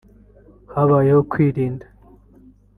« Habayeho kwirinda